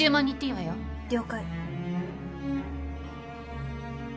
了解。